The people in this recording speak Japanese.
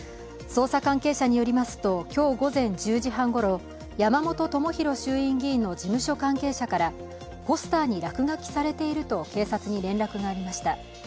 捜査関係者によりますと今日午前１０時半ごろ山本朋広衆院議員の事務所関係者から、ポスターに落書きされていると警察に連絡がありました。